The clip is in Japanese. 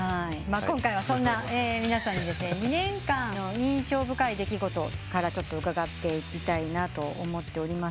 今回はそんな皆さんにですね２年間の印象深い出来事から伺っていきたいと思ってます。